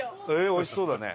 おいしそうだね。